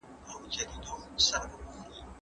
که انلاین ارزونه عادلانه وي، باور له منځه نه ځي.